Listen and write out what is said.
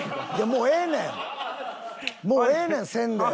もうええねんせんで。